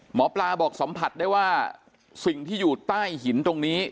หมอปลาบอกสัมผัสได้ว่าสิ่งที่อยู่ใต้หินตรงนี้